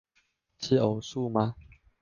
是偶數嗎